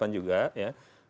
sembilan puluh delapan juga ya